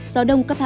gió đông cấp hai ba